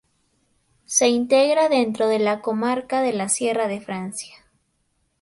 Se integra dentro de la comarca de la Sierra de Francia.